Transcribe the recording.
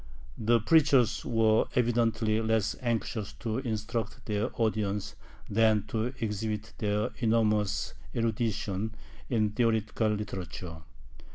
The preachers were evidently less anxious to instruct their audience than to exhibit their enormous erudition in theological literature.